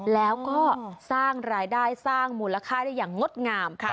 แล้วก็สร้างรายได้สร้างมูลค่าได้อย่างงดงาม